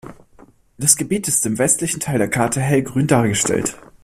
Das Gebiet ist im westlichen Teil der Karte hellgrün dargestellt.